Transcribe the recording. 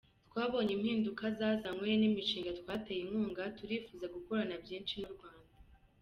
Twabonye impinduka zazanwe n’imishinga twateye inkunga, turifuza gukorana byinshi n’u Rwanda.